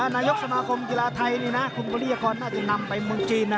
นายกสมาคมกีฬาไทยนี่นะคุณบริยากรน่าจะนำไปเมืองจีน